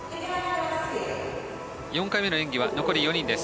４回目の演技は残り４人です。